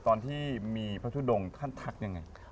ตอนที่มีพระทุดงท่านทักยังไง